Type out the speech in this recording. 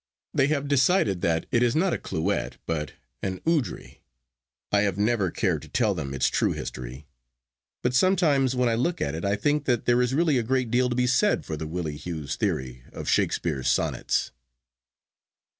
They have decided that it is not a Clouet, but an Oudry. I have never cared to tell them its true history. But sometimes, when I look at it, I think that there is really a great deal to be said for the Willie Hughes theory of Shakespeare's Sonnets.